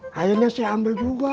akhirnya saya ambil juga